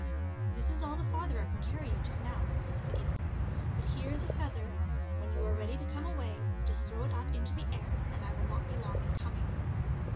" This is all the farther I can cany you just now," says the eagle ;" but here is a feather, when you are ready to come away just throw it up into the air, and I will not be long in coming."